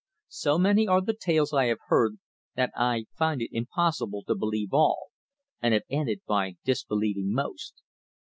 "So many are the tales I have heard that I find it impossible to believe all, and have ended by disbelieving most.